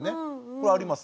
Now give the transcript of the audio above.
これあります。